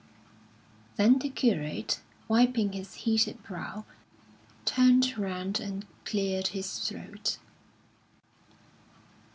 Then the curate, wiping his heated brow, turned round and cleared his throat.